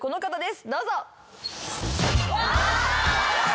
どうぞ。